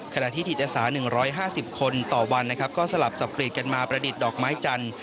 ขณะที่จิตอาสา๑๕๐คนต่อวันนะครับก็สลับสับกรีดกันมาประดิษฐ์ดอกไม้จันทร์